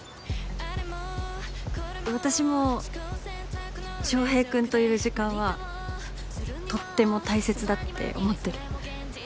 私も翔平君といる時間はとっても大切だって思ってる。